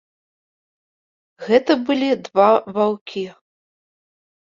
Гэта былі два ваўкі.